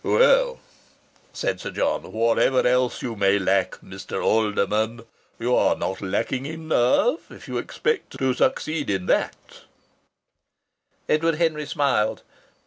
"Well," said Sir John, "whatever else you may lack, Mr. Alderman, you are not lacking in nerve, if you expect to succeed in that." Edward Henry smiled.